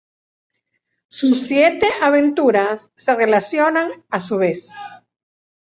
Sus siete aventuras se relacionan a su vez.